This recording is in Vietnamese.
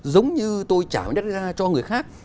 giống như tôi trả đất ra cho người khác